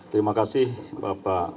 terima kasih bapak